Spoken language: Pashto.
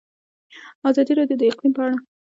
ازادي راډیو د اقلیم په اړه د فیسبوک تبصرې راټولې کړي.